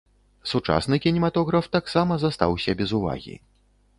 Сучасны кінематограф таксама застаўся без увагі.